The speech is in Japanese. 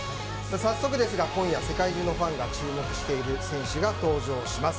早速ですが今夜世界中のファンが注目している選手が登場します。